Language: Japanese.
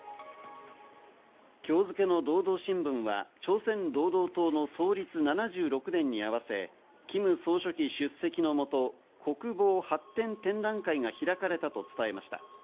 今日付の労働新聞は朝鮮労働党の創立７６年に合わせ、キム総書記出席のもと、国防発展展覧会が開かれたと伝えました。